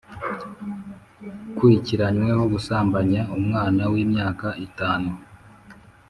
ukurikiranyweho gusambanya umwana w'imyaka itanu